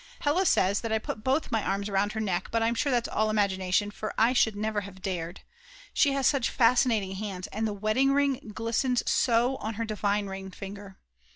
Hella says that I put both my arms round her neck, but I'm sure that's all imagination, for I should never have dared. She has such fascinating hands, and the wedding ring glistens so on her divine ring finger.